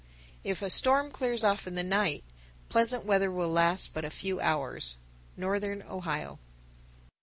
_ 966. If a storm clears off in the night, pleasant weather will last but a few hours. _Northern Ohio.